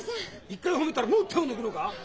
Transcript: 一回褒めたらもう手を抜くのか？